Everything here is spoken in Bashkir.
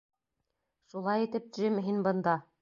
Шулай итеп, Джим, һин бында.